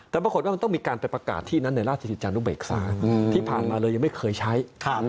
แต่ปรากฏว่ามันต้องมีการไปประกาศที่นั้นในราชกิจจานุเบกษาที่ผ่านมาเลยยังไม่เคยใช้